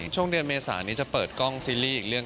ช่วงเดือนเมษานี้จะเปิดกล้องซีรีส์อีกเรื่อง